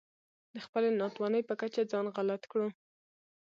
د خپلې ناتوانۍ په کچه ځان غلط کړو.